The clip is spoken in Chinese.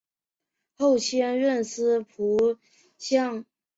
后迁任司仆丞。